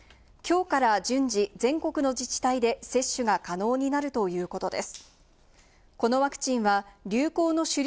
きょうから順次、全国の自治体で接種が可能になるということです。